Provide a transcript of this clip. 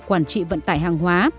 quản trị vận tải hàng hóa